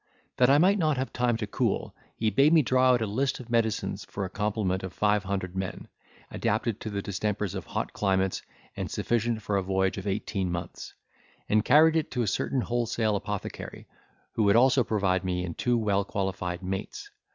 That I might not have time to cool, he bade me draw out a list of medicines for a complement of five hundred men, adapted to the distempers of hot climates and sufficient for a voyage of eighteen months; and carry it to a certain wholesale apothecary, who would also provide me in two well qualified mates.